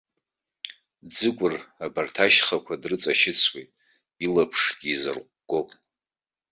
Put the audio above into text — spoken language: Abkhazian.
Ӡыкәыр абарҭ ашьхақәа дрыҵашьыцуеит, илаԥшгьы изырҟәгом.